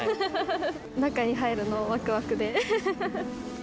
中に入るの、わくわくで。